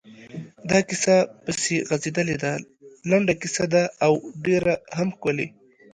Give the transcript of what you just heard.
دا کیسه پسې غځېدلې ده، لنډه کیسه ده او ډېره هم ښکلې.